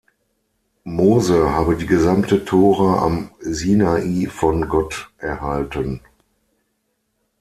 Mose habe die gesamte Tora am Sinai von Gott erhalten.